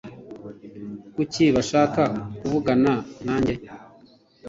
kuki bashaka kuvugana nanjye